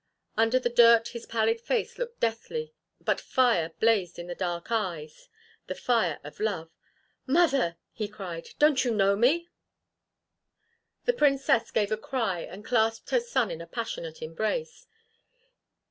Under the dirt his pallid face looked deathly, but fire blazed in the dark eyes, the fire of love. "Mother!" he cried. "Don't you know me?" The Princess gave a cry, and clasped her son in a passionate embrace.